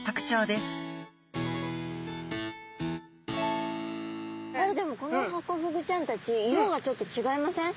でもこのハコフグちゃんたち色がちょっと違いません？